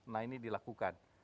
nah ini dilakukan